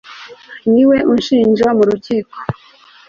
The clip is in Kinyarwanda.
ni we ushinja mu rukiko